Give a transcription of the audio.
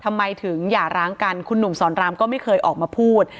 ทำไมถึงหย่าร้างกันคุณหนุ่มสอนรามก็ไม่เคยออกมาพูด